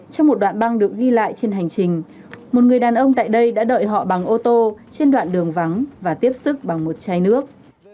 trong một đoạn băng được ghi lại trên hành trình một người đàn ông tại đây đã đợi họ bằng ô tô trên đoạn đường vắng và tiếp sức bằng một chai nước